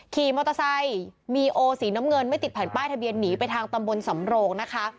ขี่มอเตอร์ไซค์มีโอสีน้ำเงินไม่ติดแผ่นป้ายทะเบียนหนีไปทางตำบลสำโรงนะคะ